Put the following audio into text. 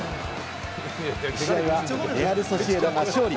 試合はレアル・ソシエダが勝利。